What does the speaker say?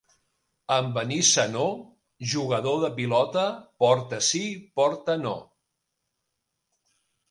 En Benissanó, jugador de pilota porta sí, porta no.